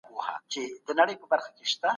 که تعلیم لار وښيي، زده کوونکی نه سرګردانه کېږي.